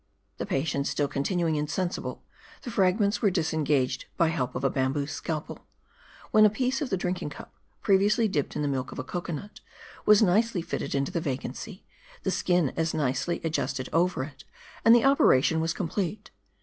The patient still continuing insensible, the fragments were disengaged by help of a bamboo scalpel ; when a piece of the drinking cup previously dipped in the milk of a cocoa nut was nicely fitted into the vacancy, the skin as nicely adjusted over it, and the operation was complete.